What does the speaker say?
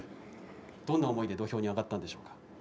どんな思いで土俵に上がったんでしょうか。